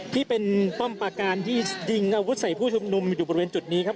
ที่เป็นป้อมปากการที่ยิงอาวุธใส่ผู้ชุมนุมอยู่บริเวณจุดนี้ครับ